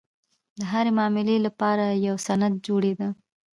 د هرې معاملې لپاره یو سند جوړېده.